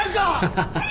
ハハハハ。